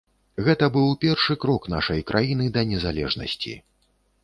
Гэта быў першы крок нашай краіны да незалежнасці.